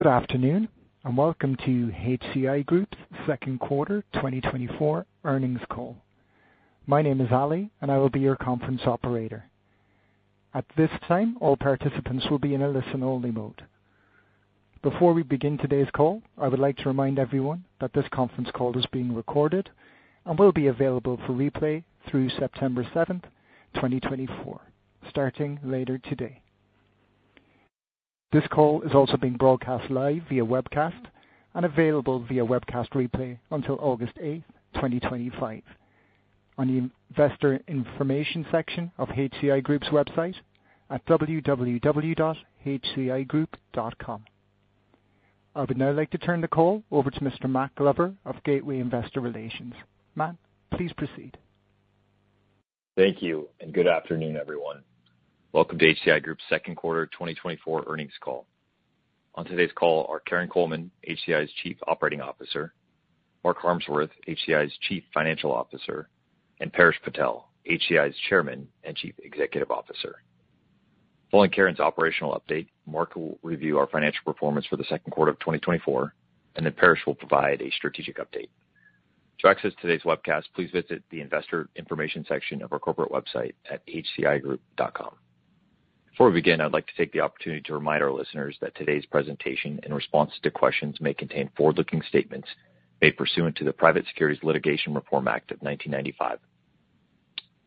Good afternoon, and welcome to HCI Group's second quarter 2024 earnings call. My name is Ali, and I will be your conference operator. At this time, all participants will be in a listen-only mode. Before we begin today's call, I would like to remind everyone that this conference call is being recorded and will be available for replay through September 7th, 2024, starting later today. This call is also being broadcast live via webcast and available via webcast replay until August 8th, 2025, on the investor information section of HCI Group's website at www.hcigroup.com. I would now like to turn the call over to Mr. Matt Glover of Gateway Investor Relations. Matt, please proceed. Thank you, and good afternoon, everyone. Welcome to HCI Group's second quarter 2024 earnings call. On today's call are Karin Coleman, HCI's Chief Operating Officer; Mark Harmsworth, HCI's Chief Financial Officer; and Paresh Patel, HCI's Chairman and Chief Executive Officer. Following Karin's operational update, Mark will review our financial performance for the second quarter of 2024, and then Paresh will provide a strategic update. To access today's webcast, please visit the investor information section of our corporate website at hcigroup.com. Before we begin, I'd like to take the opportunity to remind our listeners that today's presentation in response to questions may contain forward-looking statements made pursuant to the Private Securities Litigation Reform Act of 1995.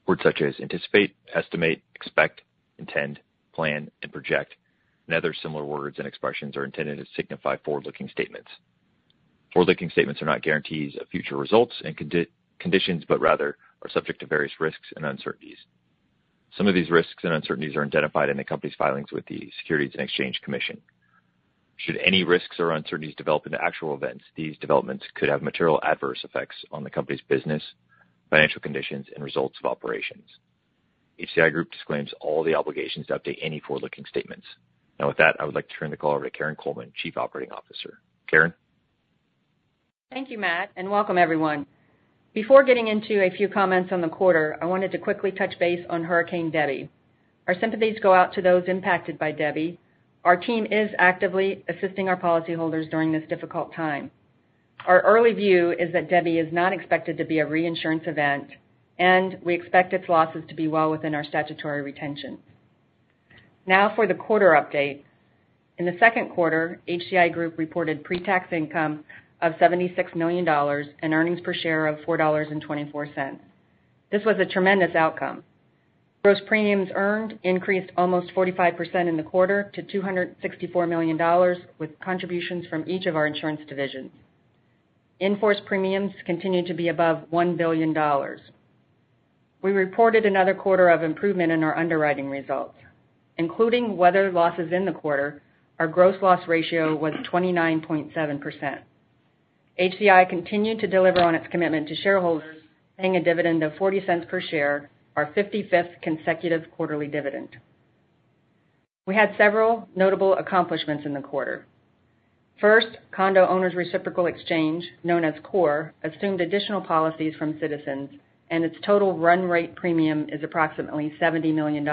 Words such as anticipate, estimate, expect, intend, plan, and project, and other similar words and expressions are intended to signify forward-looking statements. Forward-looking statements are not guarantees of future results and conditions, but rather are subject to various risks and uncertainties. Some of these risks and uncertainties are identified in the company's filings with the Securities and Exchange Commission. Should any risks or uncertainties develop into actual events, these developments could have material adverse effects on the company's business, financial conditions, and results of operations. HCI Group disclaims all the obligations to update any forward-looking statements. Now, with that, I would like to turn the call over to Karin Coleman, Chief Operating Officer. Karin? Thank you, Matt, and welcome everyone. Before getting into a few comments on the quarter, I wanted to quickly touch base on Hurricane Debby. Our sympathies go out to those impacted by Debby. Our team is actively assisting our policyholders during this difficult time. Our early view is that Debby is not expected to be a reinsurance event, and we expect its losses to be well within our statutory retention. Now for the quarter update. In the second quarter, HCI Group reported pretax income of $76 million and earnings per share of $4.24. This was a tremendous outcome. Gross premiums earned increased almost 45% in the quarter to $264 million, with contributions from each of our insurance divisions. In-force premiums continued to be above $1 billion. We reported another quarter of improvement in our underwriting results. Including weather losses in the quarter, our gross loss ratio was 29.7%. HCI continued to deliver on its commitment to shareholders, paying a dividend of $0.40 per share, our 55th consecutive quarterly dividend. We had several notable accomplishments in the quarter. First, Condo Owners Reciprocal Exchange, known as CORE, assumed additional policies from Citizens, and its total run-rate premium is approximately $70 million.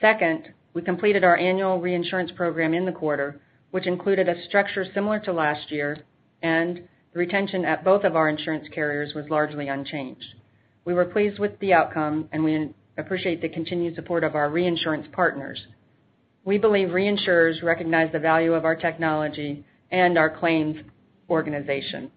Second, we completed our annual reinsurance program in the quarter, which included a structure similar to last year, and the retention at both of our insurance carriers was largely unchanged. We were pleased with the outcome, and we appreciate the continued support of our reinsurance partners. We believe reinsurers recognize the value of our technology and our claims organization.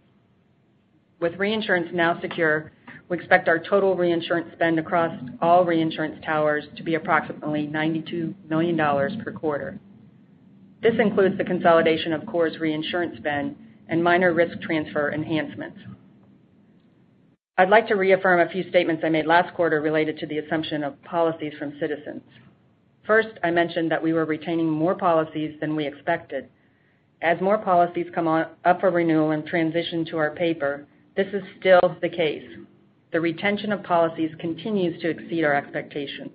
With reinsurance now secure, we expect our total reinsurance spend across all reinsurance towers to be approximately $92 million per quarter. This includes the consolidation of CORE's reinsurance spend and minor risk transfer enhancements. I'd like to reaffirm a few statements I made last quarter related to the assumption of policies from Citizens. First, I mentioned that we were retaining more policies than we expected. As more policies come up for renewal and transition to our paper, this is still the case. The retention of policies continues to exceed our expectations.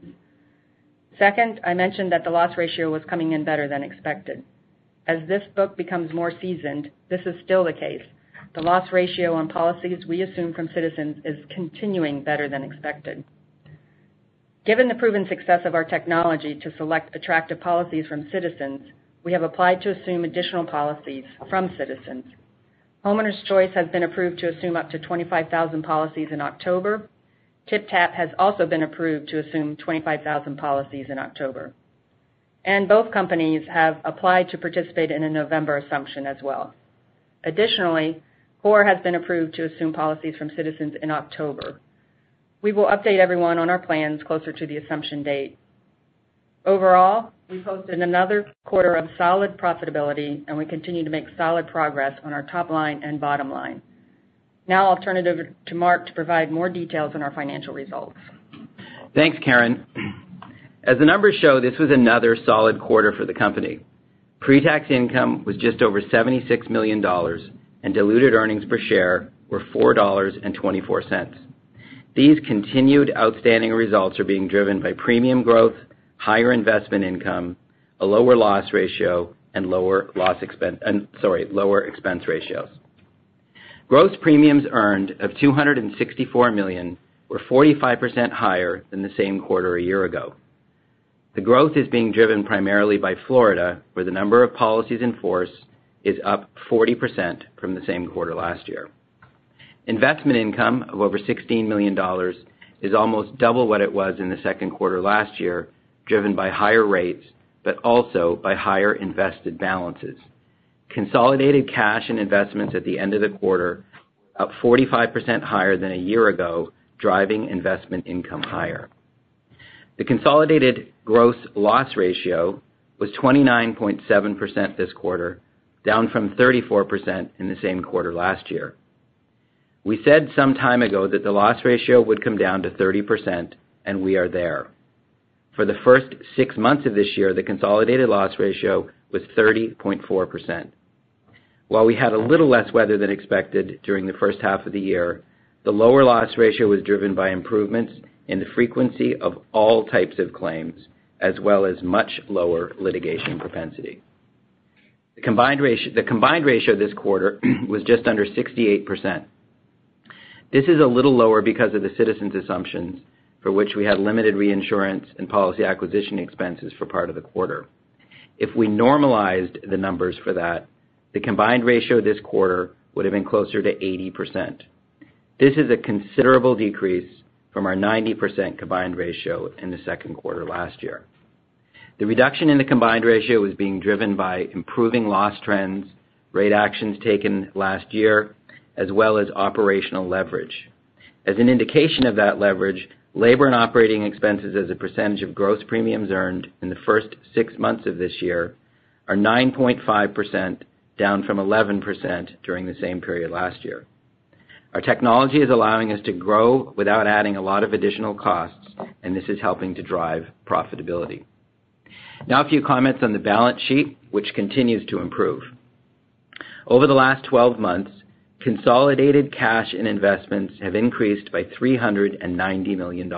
Second, I mentioned that the loss ratio was coming in better than expected. As this book becomes more seasoned, this is still the case. The loss ratio on policies we assume from Citizens is continuing better than expected. Given the proven success of our technology to select attractive policies from Citizens, we have applied to assume additional policies from Citizens. Homeowners Choice has been approved to assume up to 25,000 policies in October. TypTap has also been approved to assume 25,000 policies in October, and both companies have applied to participate in a November assumption as well. Additionally, CORE has been approved to assume policies from Citizens in October. We will update everyone on our plans closer to the assumption date. Overall, we posted another quarter of solid profitability, and we continue to make solid progress on our top line and bottom line. Now I'll turn it over to Mark to provide more details on our financial results. Thanks, Karin. As the numbers show, this was another solid quarter for the company. Pretax income was just over $76 million, and diluted earnings per share were $4.24. These continued outstanding results are being driven by premium growth, higher investment income, a lower loss ratio, and lower expense ratios. Gross premiums earned of $264 million were 45% higher than the same quarter a year ago. The growth is being driven primarily by Florida, where the number of policies in force is up 40% from the same quarter last year. Investment income of over $16 million is almost double what it was in the second quarter last year, driven by higher rates, but also by higher invested balances. Consolidated cash and investments at the end of the quarter, up 45% higher than a year ago, driving investment income higher. The consolidated gross loss ratio was 29.7% this quarter, down from 34% in the same quarter last year. We said some time ago that the loss ratio would come down to 30%, and we are there. For the first six months of this year, the consolidated loss ratio was 30.4%. While we had a little less weather than expected during the first half of the year, the lower loss ratio was driven by improvements in the frequency of all types of claims, as well as much lower litigation propensity. The combined ratio this quarter was just under 68%. This is a little lower because of the Citizens' assumptions, for which we had limited reinsurance and policy acquisition expenses for part of the quarter. If we normalized the numbers for that, the combined ratio this quarter would have been closer to 80%. This is a considerable decrease from our 90% combined ratio in the second quarter last year. The reduction in the combined ratio is being driven by improving loss trends, rate actions taken last year, as well as operational leverage. As an indication of that leverage, labor and operating expenses as a percentage of gross premiums earned in the first six months of this year are 9.5%, down from 11% during the same period last year. Our technology is allowing us to grow without adding a lot of additional costs, and this is helping to drive profitability. Now, a few comments on the balance sheet, which continues to improve. Over the last 12 months, consolidated cash and investments have increased by $390 million.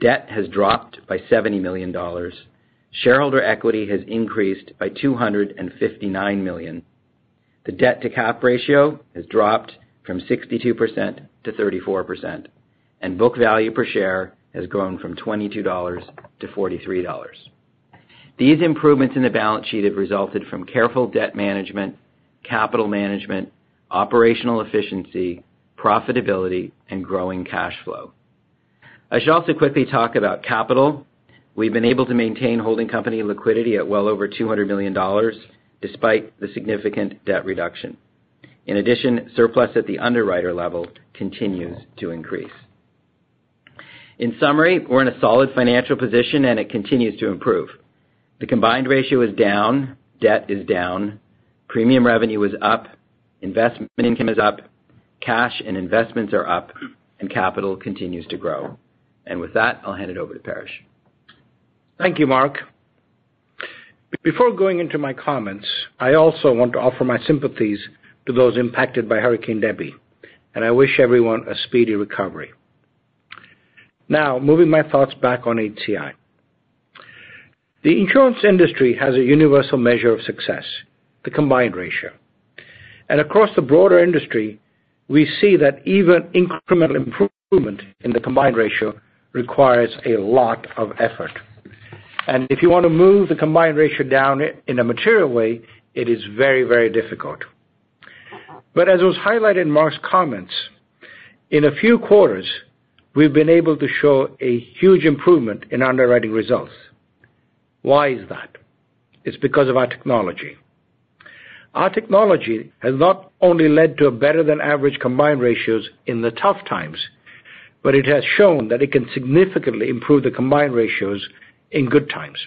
Debt has dropped by $70 million. Shareholder equity has increased by $259 million. The debt-to-cap ratio has dropped from 62% to 34%, and book value per share has grown from $22 to $43. These improvements in the balance sheet have resulted from careful debt management, capital management, operational efficiency, profitability, and growing cash flow. I should also quickly talk about capital. We've been able to maintain holding company liquidity at well over $200 million, despite the significant debt reduction. In addition, surplus at the underwriter level continues to increase. In summary, we're in a solid financial position, and it continues to improve. The combined ratio is down, debt is down, premium revenue is up, investment income is up, cash and investments are up, and capital continues to grow. With that, I'll hand it over to Paresh. Thank you, Mark. Before going into my comments, I also want to offer my sympathies to those impacted by Hurricane Debby, and I wish everyone a speedy recovery. Now, moving my thoughts back on HCI. The insurance industry has a universal measure of success, the combined ratio. Across the broader industry, we see that even incremental improvement in the combined ratio requires a lot of effort. If you want to move the combined ratio down in a material way, it is very, very difficult. As was highlighted in Mark's comments, in a few quarters, we've been able to show a huge improvement in underwriting results. Why is that? It's because of our technology. Our technology has not only led to a better-than-average combined ratios in the tough times, but it has shown that it can significantly improve the combined ratios in good times.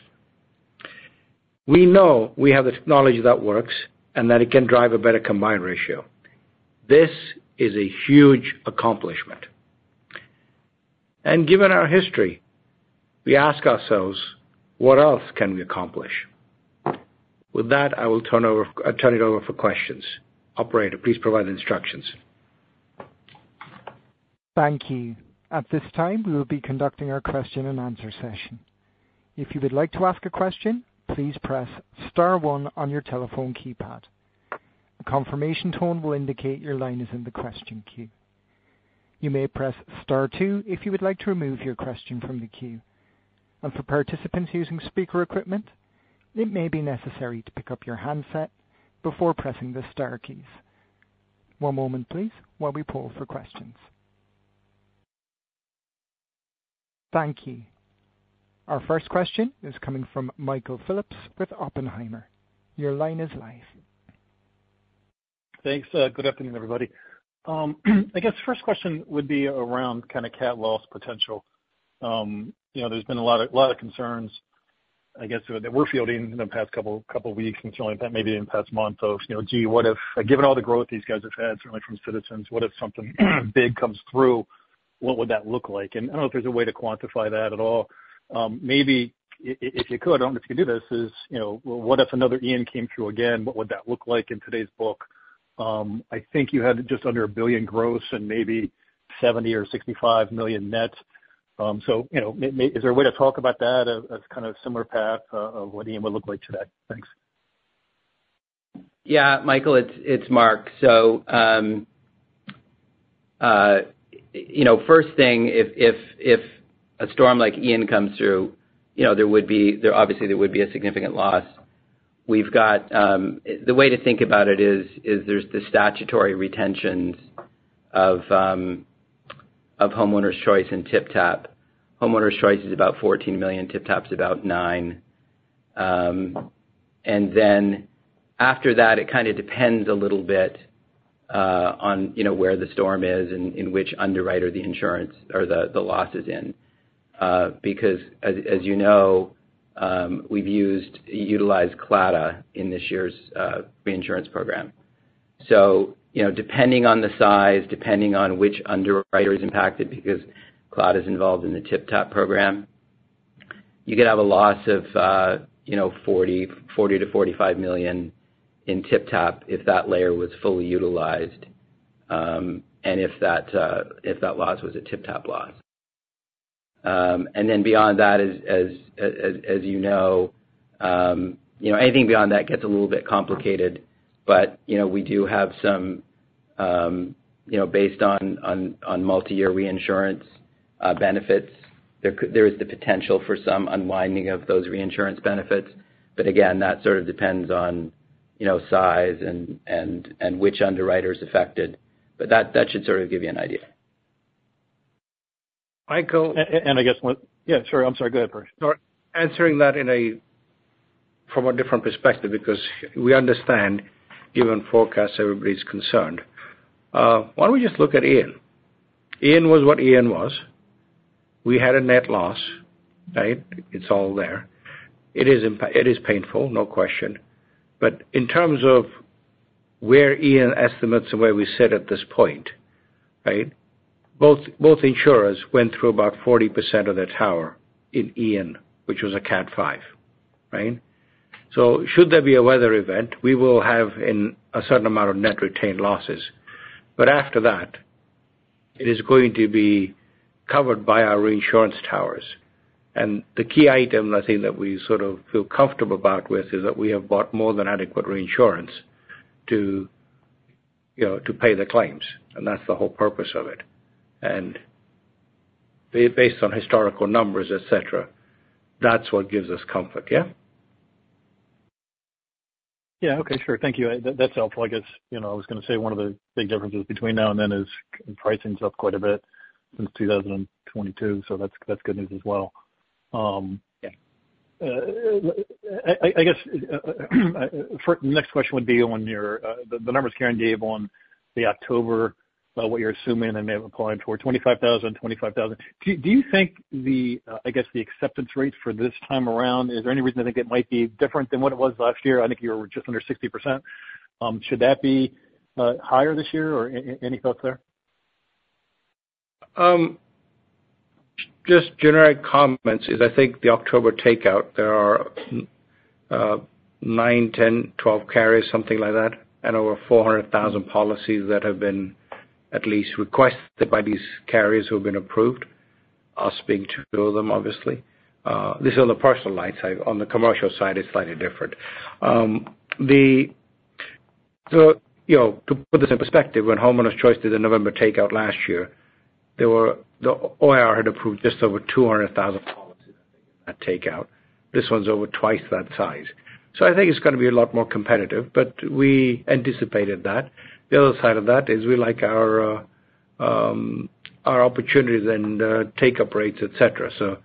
We know we have the technology that works and that it can drive a better combined ratio. This is a huge accomplishment. And given our history, we ask ourselves, what else can we accomplish? With that, I turn it over for questions. Operator, please provide instructions. Thank you. At this time, we will be conducting our question-and-answer session. If you would like to ask a question, please press star one on your telephone keypad. A confirmation tone will indicate your line is in the question queue. You may press star two if you would like to remove your question from the queue. For participants using speaker equipment, it may be necessary to pick up your handset before pressing the star keys. One moment, please, while we pull for questions. Thank you. Our first question is coming from Michael Phillips with Oppenheimer. Your line is live. Thanks. Good afternoon, everybody. I guess first question would be around kind of cat loss potential. You know, there's been a lot of concerns, I guess, that we're fielding in the past couple of weeks, and certainly maybe in the past month. You know, gee, what if, given all the growth these guys have had, certainly from Citizens, what if something big comes through? What would that look like? And I don't know if there's a way to quantify that at all. Maybe if you could, I don't know if you can do this, is, you know, what if another Ian came through again? What would that look like in today's book? I think you had just under $1 billion gross and maybe $70 million or $65 million net. So, you know, Matt, is there a way to talk about that as kind of similar path of what Ian would look like today? Thanks.... Yeah, Michael, it's Mark. So, you know, first thing, if a storm like Ian comes through, you know, there would be a significant loss. There obviously would be a significant loss. We've got, the way to think about it is, there's the statutory retentions of, of Homeowners Choice and TypTap. Homeowners Choice is about $14 million, TypTap's about $9 million. And then after that, it kind of depends a little bit, on, you know, where the storm is and in which underwriter the insurance or the, the loss is in. Because as you know, we've utilized Claddagh in this year's reinsurance program. So, you know, depending on the size, depending on which underwriter is impacted, because Claddagh is involved in the TypTap program, you could have a loss of, you know, $40 million-$45 million in TypTap if that layer was fully utilized, and if that loss was a TypTap loss. And then beyond that, as you know, anything beyond that gets a little bit complicated. But, you know, we do have some, you know, based on multi-year reinsurance benefits, there is the potential for some unwinding of those reinsurance benefits. But again, that sort of depends on, you know, size and which underwriter is affected. But that should sort of give you an idea. Michael, and I guess yeah, sure. I'm sorry, go ahead first. Answering that in a, from a different perspective, because we understand, given forecast, everybody's concerned. Why don't we just look at Ian? Ian was what Ian was. We had a net loss, right? It's all there. It is painful, no question. But in terms of where Ian estimates and where we sit at this point, right? Both, both insurers went through about 40% of their tower in Ian, which was a Cat 5, right? So should there be a weather event, we will have in a certain amount of net retained losses. But after that, it is going to be covered by our reinsurance towers. And the key item, I think, that we sort of feel comfortable about with, is that we have bought more than adequate reinsurance to, you know, to pay the claims, and that's the whole purpose of it. Based on historical numbers, et cetera, that's what gives us comfort. Yeah? Yeah, okay, sure. Thank you. That, that's helpful. I guess, you know, I was going to say one of the big differences between now and then is pricing's up quite a bit since 2022, so that's, that's good news as well. Yeah. I guess for next question would be on your the numbers Karin gave on the October what you're assuming and may have applied for 25,000. Do you think, I guess, the acceptance rate for this time around, is there any reason to think it might be different than what it was last year? I think you were just under 60%. Should that be higher this year, or any thoughts there? Just generic comments is, I think, the October takeout, there are, 9, 10, 12 carriers, something like that, and over 400,000 policies that have been at least requested by these carriers who have been approved, us being two of them, obviously. This is on the personal side. On the commercial side, it's slightly different. So, you know, to put this in perspective, when Homeowners Choice did the November takeout last year, there were—the OIR had approved just over 200,000 policies in that takeout. This one's over twice that size. So I think it's gonna be a lot more competitive, but we anticipated that. The other side of that is we like our, our opportunities and, take-up rates, et cetera. So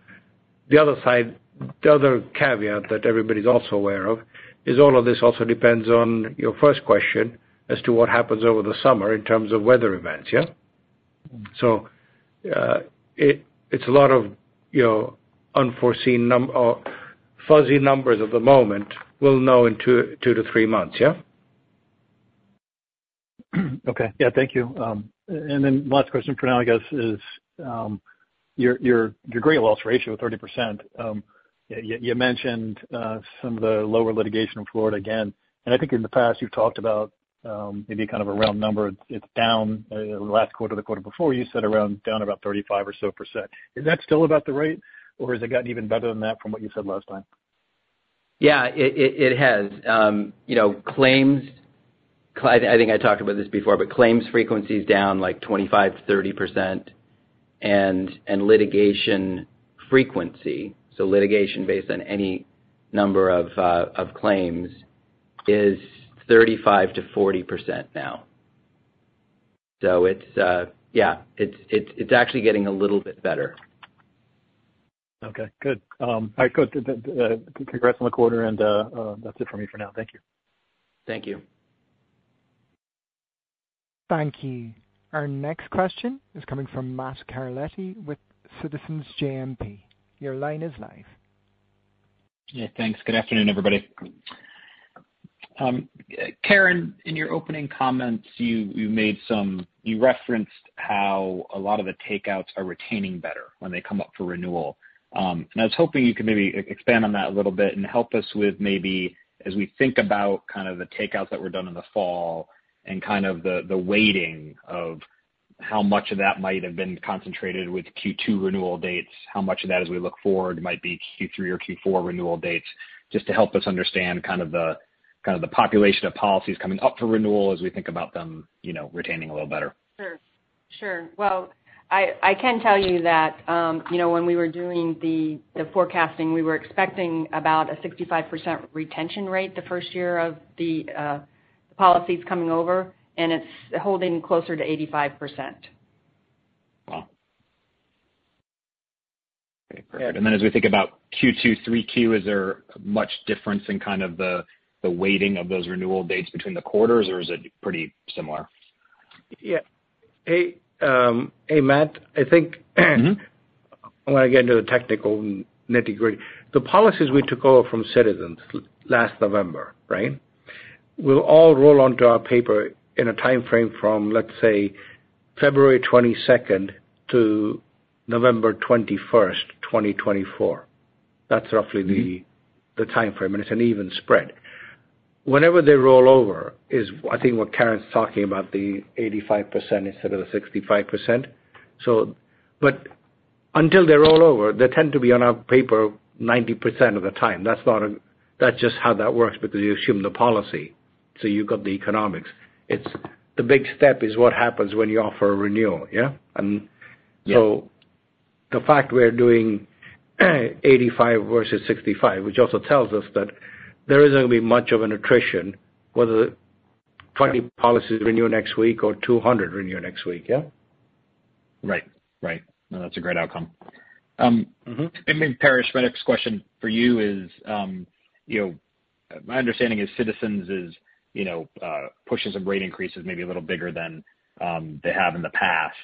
the other side, the other caveat that everybody's also aware of, is all of this also depends on your first question as to what happens over the summer in terms of weather events, yeah? So, it, it's a lot of, you know, unforeseen or fuzzy numbers at the moment. We'll know in two to three months, yeah? Okay. Yeah, thank you. And then last question for now, I guess, is your gross loss ratio, 30%. You mentioned some of the lower litigation in Florida again, and I think in the past you've talked about maybe kind of a round number. It's down last quarter, the quarter before, you said around down about 35% or so. Is that still about the rate, or has it gotten even better than that from what you said last time? Yeah, it has. You know, claims frequency is down, like, 25%-30%, and litigation frequency, so litigation based on any number of claims, is 35%-40% now. So it's, yeah, it's actually getting a little bit better. Okay, good. All right, cool. Congrats on the quarter, and that's it for me for now. Thank you. Thank you. Thank you. Our next question is coming from Matt Carletti with Citizens JMP. Your line is live. Yeah, thanks. Good afternoon, everybody. Karin, in your opening comments, you referenced how a lot of the takeouts are retaining better when they come up for renewal. I was hoping you could maybe expand on that a little bit and help us with maybe, as we think about kind of the takeouts that were done in the fall and kind of the weighting of how much of that might have been concentrated with Q2 renewal dates? How much of that, as we look forward, might be Q3 or Q4 renewal dates? Just to help us understand kind of the population of policies coming up for renewal as we think about them, you know, retaining a little better. Sure. Sure. Well, I can tell you that, you know, when we were doing the forecasting, we were expecting about a 65% retention rate the first year of the policies coming over, and it's holding closer to 85%. Wow! Okay, perfect. And then as we think about Q2, Q3, is there much difference in kind of the weighting of those renewal dates between the quarters, or is it pretty similar? Yeah. Hey, hey, Matt, I think, Mm-hmm. When I get into the technical nitty-gritty, the policies we took over from Citizens last November, right? Will all roll onto our paper in a timeframe from, let's say, February 22nd to November 21st, 2024. That's roughly the- Mm-hmm - the timeframe, and it's an even spread. Whenever they roll over, is I think what Karen's talking about, the 85% instead of the 65%. So but until they roll over, they tend to be on our paper 90% of the time. That's not a-- that's just how that works, because you assume the policy, so you've got the economics. It's the big step is what happens when you offer a renewal, yeah? And- Yeah. so the fact we're doing 85 versus 65, which also tells us that there isn't gonna be much of an attrition, whether 20 policies renew next week or 200 renew next week. Yeah? Right. Right. No, that's a great outcome. Mm-hmm. And then, Paresh, next question for you is, you know, my understanding is Citizens is, you know, pushing some rate increases maybe a little bigger than they have in the past.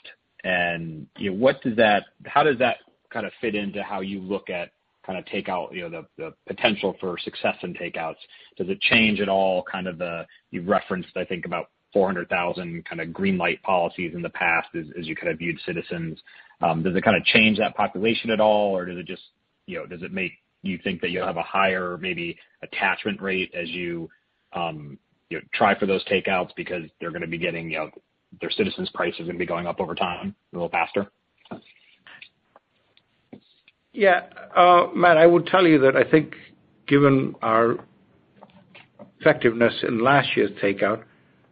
And, you know, what does that... How does that kind of fit into how you look at, kind of take out, you know, the, the potential for success in takeouts? Does it change at all, kind of the—you've referenced, I think, about 400,000 kind of green light policies in the past as, as you kind of viewed Citizens. Does it kind of change that population at all, or does it just, you know, does it make you think that you'll have a higher maybe attachment rate as you, you know, try for those takeouts because they're gonna be getting, you know, their Citizens' price is gonna be going up over time, a little faster? Yeah. Matt, I would tell you that I think, given our effectiveness in last year's takeout,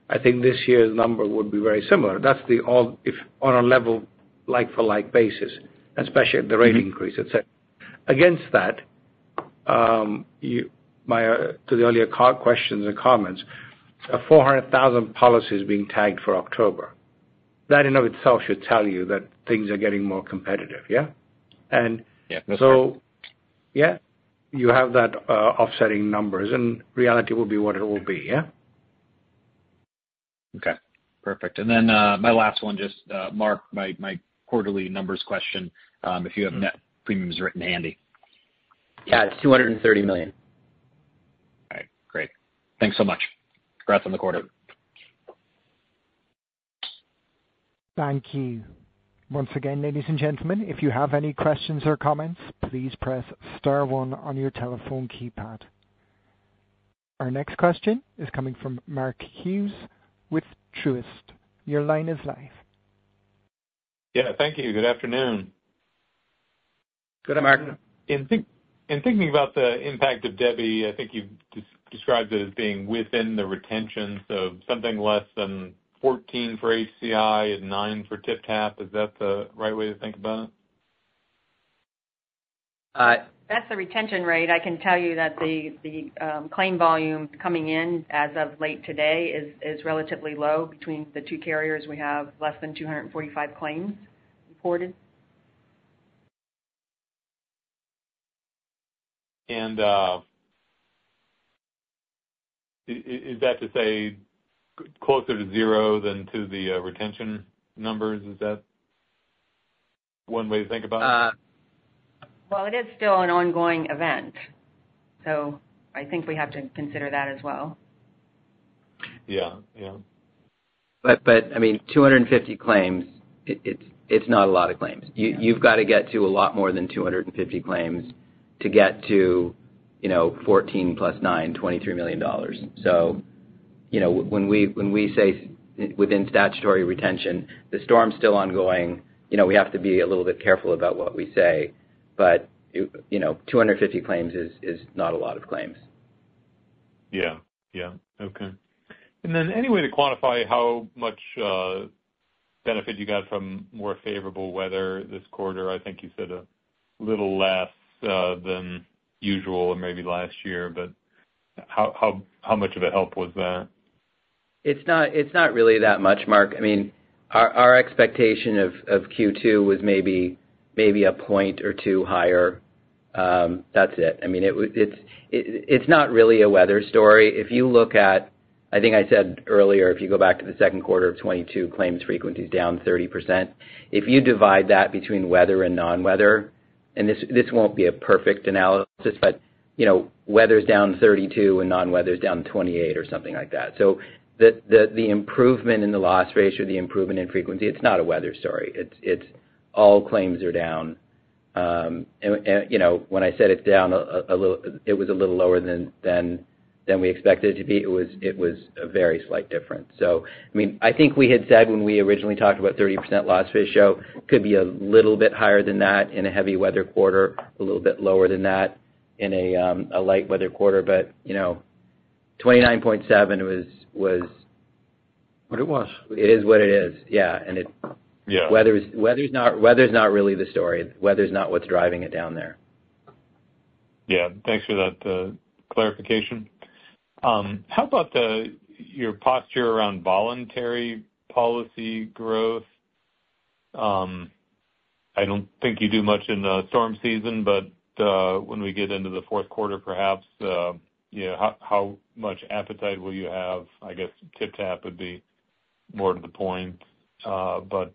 I think this year's number would be very similar. That's the all, if on a level, like-for-like basis, especially if the rate- Mm-hmm - increase, et cetera. Against that, you, my, to the earlier questions or comments, 400,000 policies being tagged for October, that in and of itself should tell you that things are getting more competitive, yeah? And- Yeah, that's right. So yeah, you have that, offsetting numbers, and reality will be what it will be. Yeah? Okay, perfect. And then, my last one, just, Mark, my, my quarterly numbers question, if you have net premiums written handy? Yeah, it's $230 million. All right, great. Thanks so much. Congrats on the quarter. Thank you. Once again, ladies and gentlemen, if you have any questions or comments, please press star one on your telephone keypad. Our next question is coming from Mark Hughes with Truist. Your line is live. Yeah, thank you. Good afternoon. Good afternoon. Good afternoon. In thinking about the impact of Debby, I think you've described it as being within the retention, so something less than $14 for HCI and $9 for TypTap. Is that the right way to think about it? Uh- That's the retention rate. I can tell you that the claim volume coming in as of late today is relatively low. Between the two carriers, we have less than 245 claims reported. Is that to say closer to zero than to the retention numbers? Is that one way to think about it? Well, it is still an ongoing event, so I think we have to consider that as well. Yeah. Yeah. But I mean, 250 claims, it's not a lot of claims. Yeah. You've got to get to a lot more than 250 claims to get to, you know, 14 + 9, $23 million. So, you know, when we say within Statutory Retention, the storm's still ongoing. You know, we have to be a little bit careful about what we say, but it, you know, 250 claims is not a lot of claims. Yeah, yeah. Okay. And then, any way to quantify how much benefit you got from more favorable weather this quarter? I think you said a little less than usual and maybe last year, but how much of a help was that? It's not, it's not really that much, Mark. I mean, our expectation of Q2 was maybe a point or two higher. That's it. I mean, it's not really a weather story. If you look at... I think I said earlier, if you go back to the second quarter of 2022, claims frequency is down 30%. If you divide that between weather and non-weather, and this won't be a perfect analysis, but you know, weather's down 32%, and non-weather is down 28% or something like that. So the improvement in the loss ratio, the improvement in frequency, it's not a weather story. It's all claims are down.... And you know, when I said it's down a little, it was a little lower than we expected it to be. It was, it was a very slight difference. So, I mean, I think we had said when we originally talked about 30% loss ratio, could be a little bit higher than that in a heavy weather quarter, a little bit lower than that in a light weather quarter. But, you know, 29.7 was, was- What it was. It is what it is. Yeah, and it- Yeah. Weather is, weather is not, weather is not really the story. Weather is not what's driving it down there. Yeah. Thanks for that, clarification. How about your posture around voluntary policy growth? I don't think you do much in the storm season, but, when we get into the fourth quarter, perhaps, you know, how much appetite will you have? I guess, TypTap would be more to the point. But,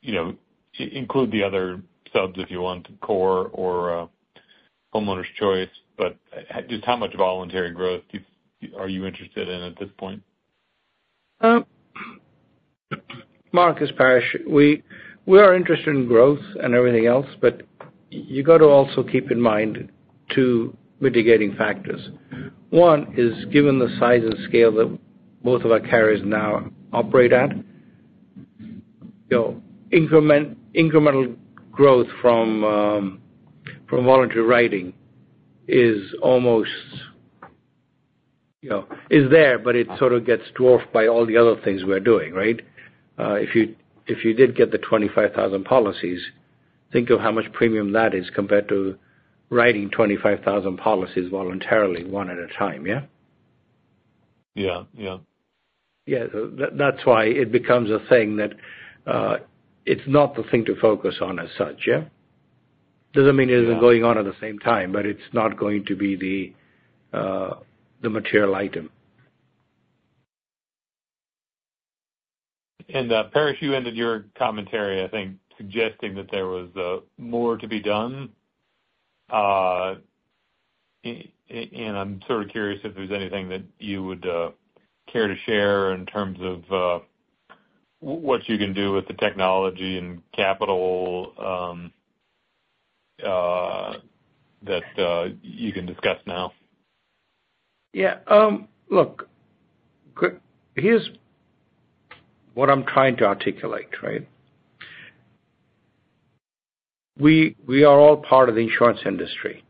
you know, include the other subs, if you want, CORE or, Homeowners Choice, but just how much voluntary growth are you interested in at this point? Mark, it's Paresh. We, we are interested in growth and everything else, but you got to also keep in mind two mitigating factors. One, is given the size and scale that both of our carriers now operate at, you know, increment, incremental growth from, from voluntary writing is almost, you know, is there, but it sort of gets dwarfed by all the other things we're doing, right? If you, if you did get the 25,000 policies, think of how much premium that is compared to writing 25,000 policies voluntarily, one at a time, yeah? Yeah. Yeah. Yeah. So that's why it becomes a thing that, it's not the thing to focus on as such, yeah? Doesn't mean it isn't going on at the same time, but it's not going to be the, the material item. And, Paresh, you ended your commentary, I think, suggesting that there was more to be done. And I'm sort of curious if there's anything that you would care to share in terms of what you can do with the technology and capital that you can discuss now? Yeah. Look, quick, here's what I'm trying to articulate, right? We are all part of the insurance industry,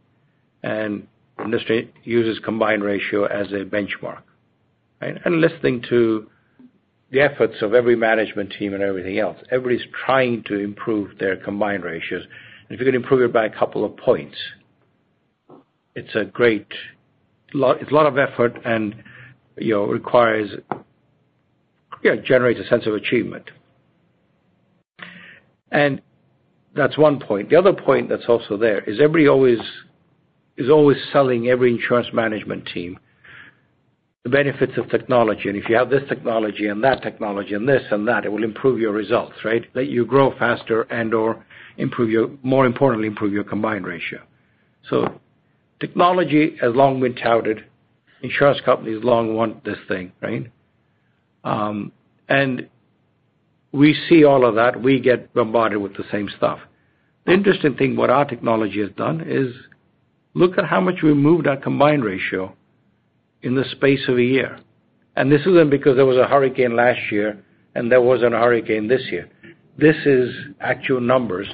and industry uses combined ratio as a benchmark, right? And listening to the efforts of every management team and everything else, everybody's trying to improve their combined ratios. If you can improve it by a couple of points, it's a great—it's a lot of effort and, you know, requires. Yeah, generates a sense of achievement. And that's one point. The other point that's also there is everybody always is always selling every insurance management team the benefits of technology. And if you have this technology and that technology and this and that, it will improve your results, right? Let you grow faster and or improve your—more importantly, improve your combined ratio. So technology has long been touted. Insurance companies long want this thing, right? And we see all of that. We get bombarded with the same stuff. The interesting thing, what our technology has done, is look at how much we moved our Combined Ratio in the space of a year, and this isn't because there was a hurricane last year, and there was a hurricane this year. This is actual numbers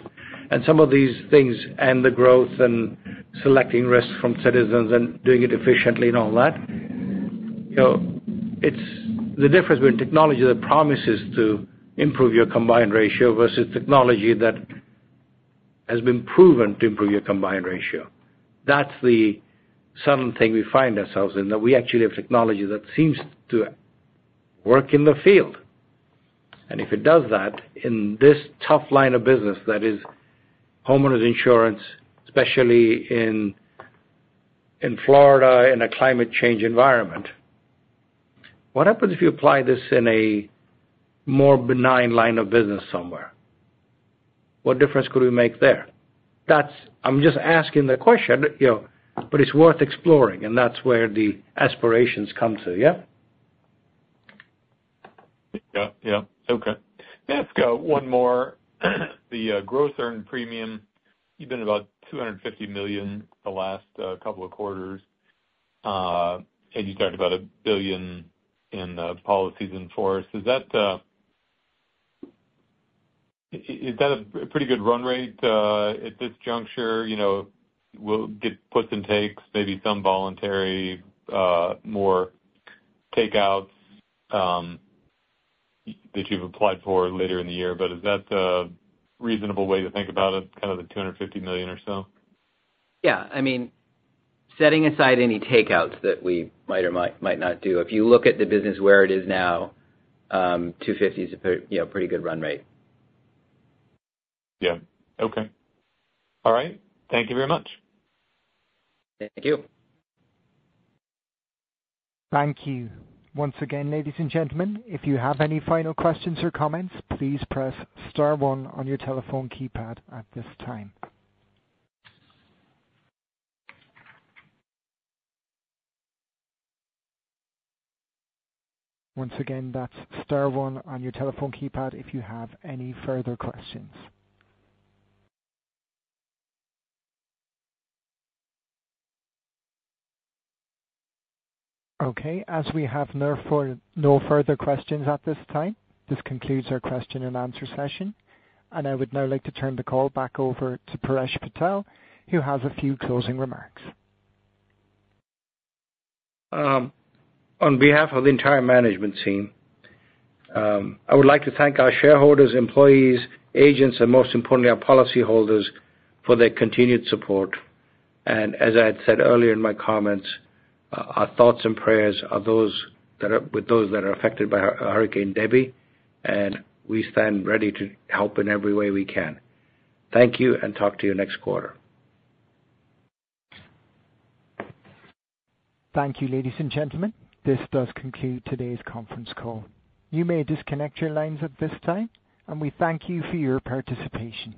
and some of these things, and the growth and selecting risks from Citizens and doing it efficiently and all that. You know, it's the difference between technology that promises to improve your Combined Ratio versus technology that has been proven to improve your Combined Ratio. That's the sudden thing we find ourselves in, that we actually have technology that seems to work in the field. If it does that in this tough line of business, that is homeowners insurance, especially in Florida, in a climate change environment, what happens if you apply this in a more benign line of business somewhere? What difference could we make there? That's. I'm just asking the question, you know, but it's worth exploring, and that's where the aspirations come to, yeah? Yeah. Yeah. Okay. Let's go one more. The growth earn premium, you've been about $250 million the last couple of quarters, and you talked about $1 billion in policies in force. Is that a pretty good run rate at this juncture? You know, we'll get puts and takes, maybe some voluntary more takeouts that you've applied for later in the year, but is that a reasonable way to think about it, kind of the $250 million or so? Yeah. I mean, setting aside any takeouts that we might or might not do, if you look at the business where it is now, $250 is a pretty, you know, pretty good run rate. Yeah. Okay. All right. Thank you very much. Thank you. Thank you. Once again, ladies and gentlemen, if you have any final questions or comments, please press star one on your telephone keypad at this time. Once again, that's star one on your telephone keypad if you have any further questions. Okay, as we have no further questions at this time, this concludes our question and answer session, and I would now like to turn the call back over to Paresh Patel, who has a few closing remarks. On behalf of the entire management team, I would like to thank our shareholders, employees, agents, and most importantly, our policyholders for their continued support. As I had said earlier in my comments, our thoughts and prayers are with those that are affected by Hurricane Debby, and we stand ready to help in every way we can. Thank you, and talk to you next quarter. Thank you, ladies and gentlemen. This does conclude today's conference call. You may disconnect your lines at this time, and we thank you for your participation.